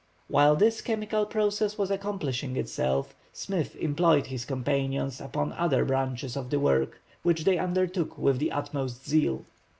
While this chemical process was accomplishing itself, Smith employed his companions upon other branches of the work, which they undertook with the utmost zeal.